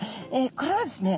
これはですね